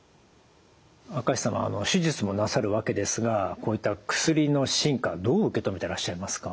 明石さん手術もなさるわけですがこういった薬の進化どう受け止めてらっしゃいますか？